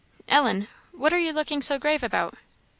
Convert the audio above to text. Ellen? what are you looking so grave about?